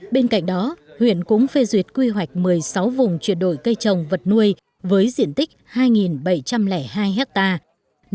bên cạnh đó huyện cũng phê duyệt quy hoạch một mươi sáu vùng chuyển đổi cây trồng vật nuôi với diện tích hai bảy trăm linh hai hectare